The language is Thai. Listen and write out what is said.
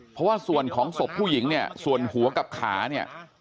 เพราะว่าส่วนของศพผู้หญิงเนี่ยส่วนหัวกับขาเนี่ย